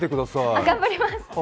頑張ります！